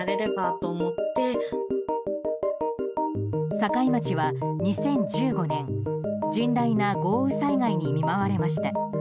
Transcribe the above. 境町は、２０１５年甚大な豪雨災害に見舞われました。